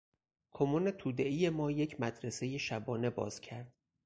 کمون تودهای ما یک مدرسهٔ شبانه باز کرد.